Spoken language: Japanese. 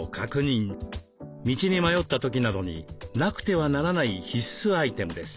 道に迷った時などになくてはならない必須アイテムです。